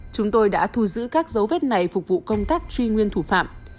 chúng tôi đã thu giữ các dấu vết này phục vụ công tác truy nguyên thủ phạm